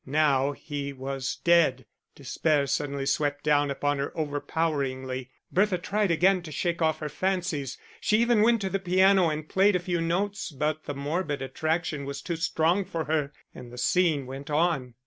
Now he was dead. Despair suddenly swept down upon her overpoweringly. Bertha tried again to shake off her fancies, she even went to the piano and played a few notes; but the morbid attraction was too strong for her and the scene went on.